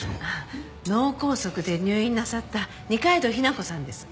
脳梗塞で入院なさった二階堂日向子さんです。